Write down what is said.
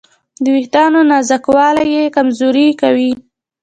د وېښتیانو نازکوالی یې کمزوري کوي.